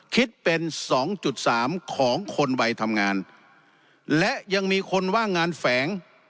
คิดเป็น๒๓ของคนวัยทำงานและยังมีคนว่างงานแฝง